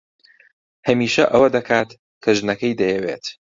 هەمیشە ئەوە دەکات کە ژنەکەی دەیەوێت.